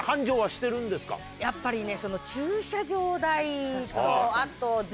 やっぱりね。